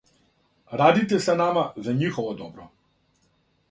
Радите са нама за њихово добро.